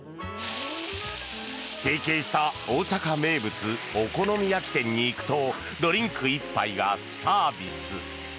提携した大阪名物、お好み焼き店に行くとドリンク１杯がサービス。